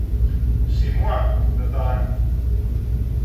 c'est moi … le parrain !